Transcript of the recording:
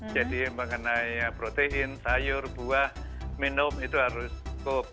jadi mengenai protein sayur buah minum itu harus cukup